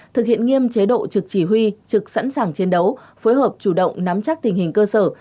thực hiện nghiêm chế độ trực chỉ huy trực sẵn sàng chiến đấu phối hợp chủ động nắm chắc tình hình cơ sở